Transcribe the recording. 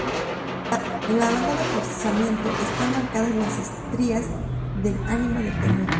En la banda de forzamiento están marcadas las estrías del ánima del cañón.